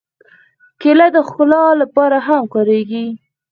کېله د ښکلا لپاره هم کارېږي.